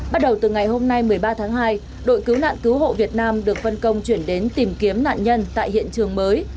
bắt đầu từ ngày hôm nay một mươi ba tháng hai đội cứu nạn cứu hộ việt nam được phân công chuyển đến tìm kiếm nạn nhân tại hiện trường mới